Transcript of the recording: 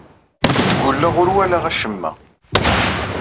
Ggulleɣ ur walaɣ acemma.